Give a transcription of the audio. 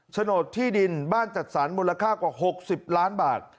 โฉนดที่ดินบ้านจัดสรรมูลค่ากว่า๖๐ล้านบาท